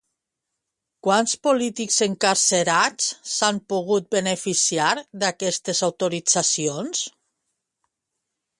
Quants polítics encarcerats s'han pogut beneficiar d'aquestes autoritzacions?